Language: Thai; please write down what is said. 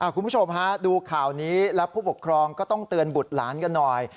คุณผู้ชมฮะดูข่าวนี้แล้วผู้ปกครองก็ต้องเตือนบุตรหลานกันหน่อย